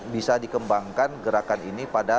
bisa dikembangkan gerakan ini pada